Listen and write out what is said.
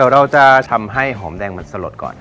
เราจะทำให้หอมแดงมันสลดก่อน